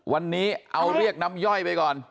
วันนี้เอาเรียกน้ำย่อยไปก่อน